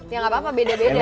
ya nggak apa apa beda beda